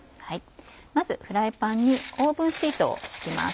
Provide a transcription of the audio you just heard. まずフライパンにオーブンシートを敷きます。